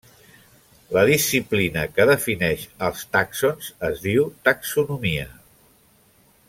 La disciplina que defineix als tàxons es diu taxonomia.